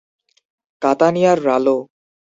কাতানিয়ার রালো।